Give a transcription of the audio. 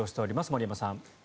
森山さん。